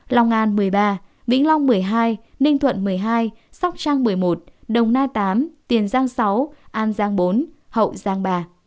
lòng an một mươi ba vĩnh long một mươi hai ninh thuận một mươi hai sóc trang một mươi một đồng nai tám tiền giang sáu an giang bốn hậu giang bà